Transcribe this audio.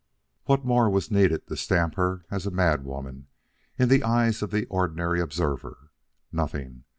"'What more was needed to stamp her as a mad woman in the eyes of the ordinary observer? Nothing.